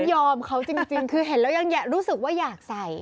ยอมเขาจริงคือเห็นแล้วยังรู้สึกว่าอยากใส่